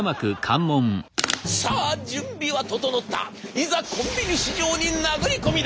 いざコンビニ市場に殴り込みだ！